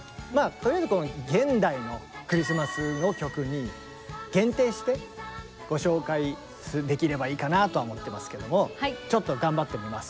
とりあえずこの現代のクリスマスの曲に限定してご紹介できればいいかなとは思ってますけどもちょっと頑張ってみます。